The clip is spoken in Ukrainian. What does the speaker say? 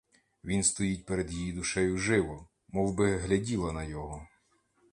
Він стоїть перед її душею живо, мовби гляділа на його.